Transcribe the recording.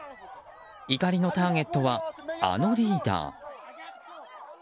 怒りのターゲットはあのリーダー。